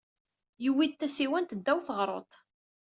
Yewwi-d tasiwant ddaw teɣruḍt.